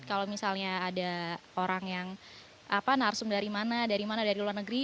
kalau misalnya ada orang yang narsum dari mana dari mana dari luar negeri